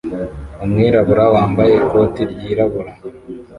Umwirabura wambaye ikoti ryirabura